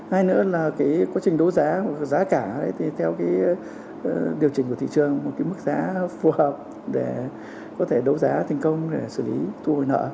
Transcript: hai nữa là quá trình đấu giá giá cả thì theo điều chỉnh của thị trường mức giá phù hợp để có thể đấu giá thành công để xử lý thu hồi nợ